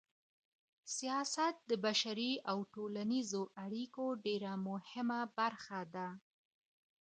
سياست د بشري او ټولنيزو اړيکو ډېره مهمه برخه ده.